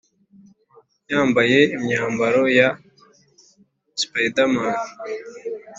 yambaye imyambaro ya spiderman